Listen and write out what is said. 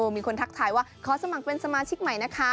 มีคนทักทายว่าขอสมัครเป็นสมาชิกใหม่นะคะ